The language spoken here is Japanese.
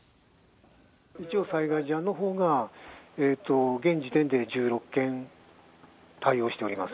一応、災害事案のほうが、現時点で１６件対応しております。